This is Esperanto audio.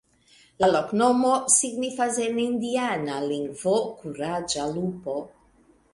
La loknomo signifas en indiana lingvo: kuraĝa lupo.